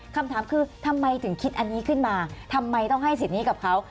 คำถามคือทำไมถึงคิดอันนี้ขึ้นมาทำไมต้องให้สิทธิ์นี้กับเขา